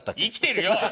生きてるよ！